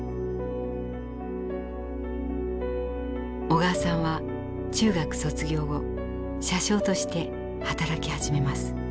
小川さんは中学卒業後車掌として働き始めます。